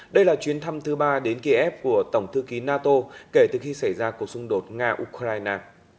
đây là chuyến thăm thứ ba đến kiev của tổng thư ký nato kể từ khi xảy ra cuộc xung đột nga ukraine